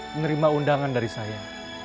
menerima undangan dari saya